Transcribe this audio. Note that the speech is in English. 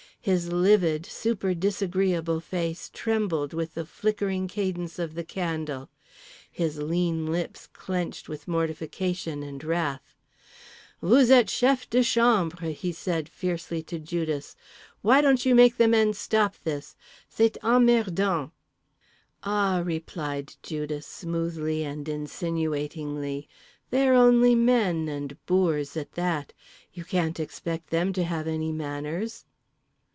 His livid super disagreeable face trembled with the flickering cadence of the candle. His lean lips clenched with mortification and wrath. "Vous êtes chef de chambre," he said fiercely to Judas—"why don't you make the men stop this? C'est emmerdant." "Ah," replied Judas smoothly and insinuatingly—"They are only men, and boors at that; you can't expect them to have any manners."